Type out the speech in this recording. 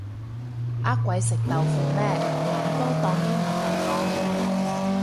呃鬼食豆腐咩噉都當英文嚟講